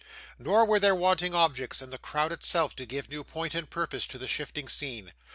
Nor were there wanting objects in the crowd itself to give new point and purpose to the shifting scene.